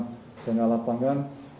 di tengah lapangan